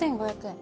２，５００円。